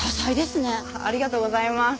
ありがとうございます。